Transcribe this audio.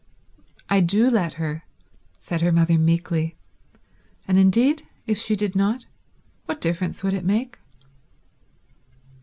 "I do let her," said her mother meekly; and indeed if she did not, what difference would it make?